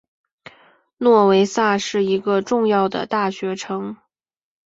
诺维萨是一个重要的大学城。